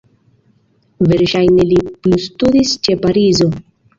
Verŝajne li plustudis ĉe Parizo.